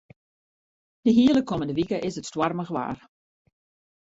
De hiele kommende wike is it stoarmich waar.